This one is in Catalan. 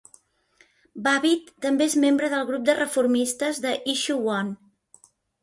Babbitt també és membre del Grup de reformistes de Issue One.